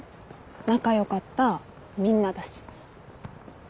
仲良かったみんなだし。